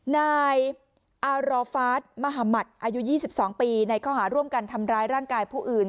นายอารอฟาสมหาหมัดอายุ๒๒ปีในข้อหาร่วมกันทำร้ายร่างกายผู้อื่น